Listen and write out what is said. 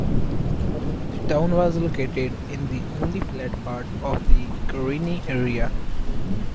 The town was located in the only flat part of the Karenni area.